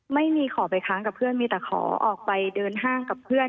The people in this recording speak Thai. ไม่มีขอไปค้างกับเพื่อนมีแต่ขอออกไปเดินห้างกับเพื่อน